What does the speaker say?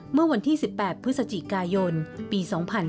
เมื่อวันที่๑๘พฤศจิกายนปี๒๕๕๙